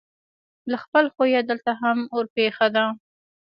له خپل خویه دلته هم ورپېښه ده.